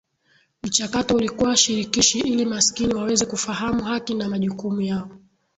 Mchakato ulikuwa shirikishi ili maskini waweze kufahamu haki na majukumu yao